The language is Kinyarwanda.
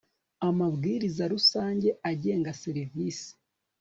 Amabwiriza rusange agenga serivisi